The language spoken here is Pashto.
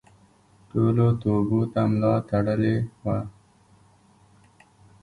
ټولو توبو ته ملا تړلې وه.